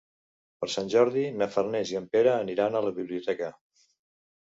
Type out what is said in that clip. Per Sant Jordi na Farners i en Pere aniran a la biblioteca.